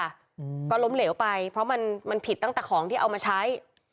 อืมก็ล้มเหลวไปเพราะมันมันผิดตั้งแต่ของที่เอามาใช้